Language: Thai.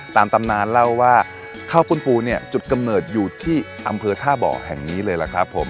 ตามตำนานเล่าว่าข้าวปุ้นปูเนี่ยจุดกำเนิดอยู่ที่อำเภอท่าเบาะแห่งนี้เลยล่ะครับผม